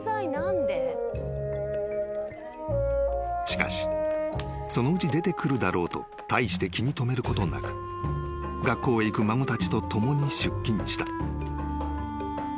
［しかしそのうち出てくるだろうと大して気に留めることなく学校へ行く孫たちと共に出勤した］